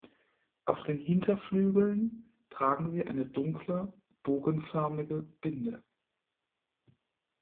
Auf den Hinterflügeln tragen sie eine dunkle, bogenförmige Binde.